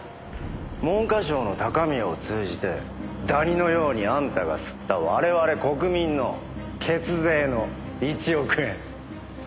文科省の高宮を通じてダニのようにあんたが吸った我々国民の血税の１億円。